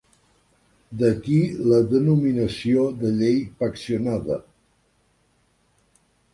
D'aquí la denominació de Llei Paccionada.